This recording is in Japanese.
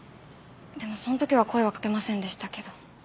でもその時は声はかけませんでしたけど。